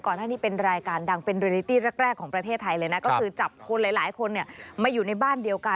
ก่อนที่นี่เป็นรายการดังเป็นรายลิตี้แรกของประเทศไทยเลยนะ